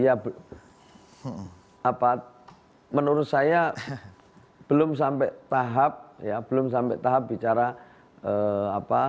ya apa menurut saya belum sampai tahap ya belum sampai tahap bicara apa